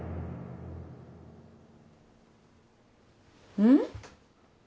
うん？